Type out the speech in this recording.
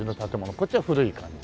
こっちは古い感じ。